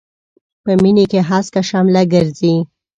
په مينې کې هسکه شمله ګرځي.